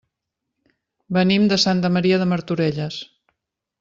Venim de Santa Maria de Martorelles.